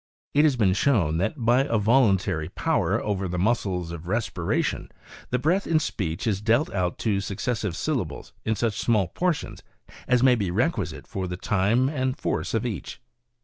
It has been shown that " by a voluntary power over the muscles of respiration the breath in speech is dealt out to suc cessive syllables in such small portions as may be requisite for the time and force'of each.